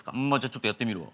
ちょっとやってみるわ。